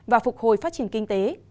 và phục hồi phát triển kinh tế